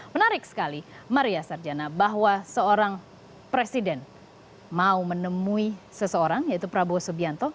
menarik sekali maria sarjana bahwa seorang presiden mau menemui seseorang yaitu prabowo subianto